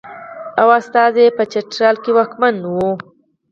او استازی یې په چترال کې واکمن وي.